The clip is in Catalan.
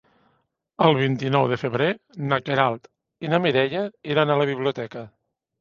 El vint-i-nou de febrer na Queralt i na Mireia iran a la biblioteca.